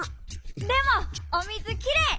でもおみずきれい！